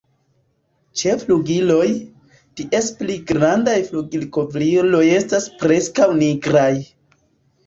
Ĉe flugiloj, ties pli grandaj flugilkovriloj estas preskaŭ nigraj.